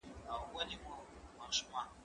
زه کولای سم قلم استعمالوم کړم؟